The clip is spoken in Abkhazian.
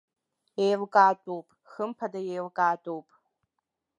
Еилкаатәуп, хымԥада еилкаатәуп.